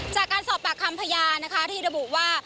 จากการสอบปากคำพยานนะคะที่ระบุว่า